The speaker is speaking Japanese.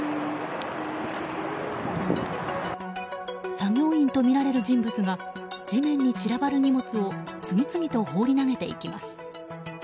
作業員とみられる人物が地面に散らばる荷物を次々と放り投げていきます。